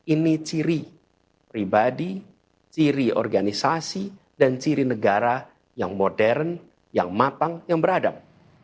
ini ciri pribadi ciri organisasi dan ciri negara yang modern yang matang yang beradab